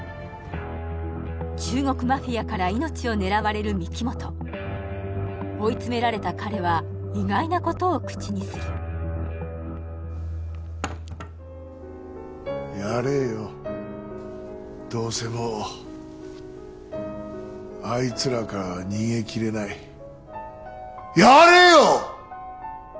中国マフィアから命を狙われる御木本追い詰められた彼は意外なことを口にするやれよどうせもうあいつらからは逃げ切れないやれよ！